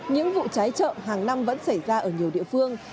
những vụ cháy chợ hàng năm vẫn xảy ra ở nhiều địa phương